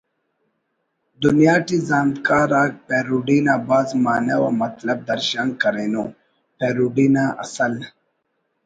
دنیا ٹی زانتکار آک پیروڈی نا بھاز معنہ و مطلب درشان کرینو پیروڈی نا اصل